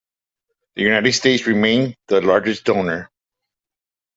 The United States remain the largest donor.